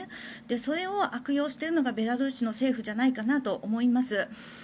それを悪用しているのがベラルーシの政府じゃないかなと思います。